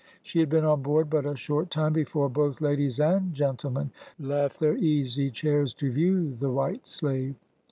She had been on board but a short time, before both ladKes and gentlemen left their easy chairs to view the white slave.